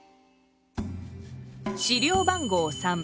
資料番号３。